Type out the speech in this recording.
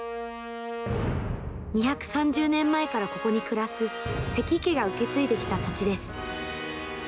２３０年前からここに暮らす、関家が受け継いできた土地です。